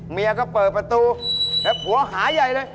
เมียก็เปิดประตูแล้วผัวหาใหญ่เลย